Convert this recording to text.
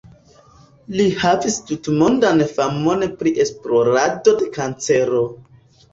Li havis tutmondan famon pri esplorado de kancero.